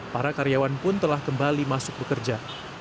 para karyawan pun telah kembali masuk bekerja